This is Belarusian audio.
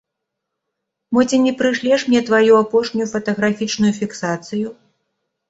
Мо ці не прышлеш мне тваю апошнюю фатаграфічную фіксацыю?